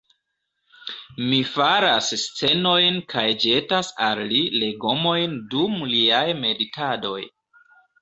Mi faras scenojn kaj ĵetas al li legomojn dum liaj meditadoj.